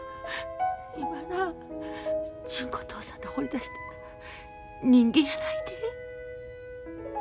今な純子嬢さんら放り出したら人間やないで。